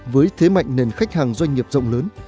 với thế mạnh nền khách hàng doanh nghiệp rộng lớn